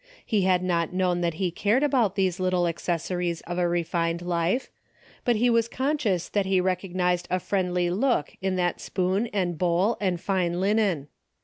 He had not known that he cared about these little accessories of a refined life, but he was conscious that he recognized a friendly look in that spoon and bowl and fine linen.